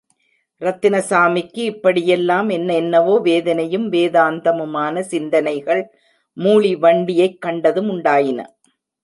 ரத்தினசாமிக்கு இப்டியெல்லாம் என்ன என்னவோ வேதனையும் வேதாந்தமுமான சிந்தனைகள், மூளி வண்டியைக் கண்டதும் உண்டாயின.